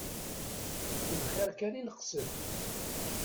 D lxir kan i neqsed.